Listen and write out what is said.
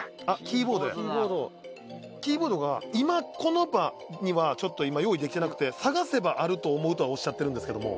キーボードが今この場にはちょっと用意できてなくて探せばあると思うとはおっしゃってるんですけども」